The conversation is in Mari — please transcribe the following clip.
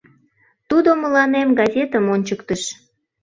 — Тудо мыланем газетым ончыктыш.